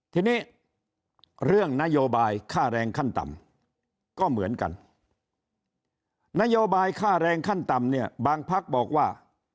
ทีนี้เรื่องนโยบายค่าแรงขั้นต่ำก็เหมือนกันนโยบายค่าแรงขั้นต่ำเนี่ยบางพักบอกว่า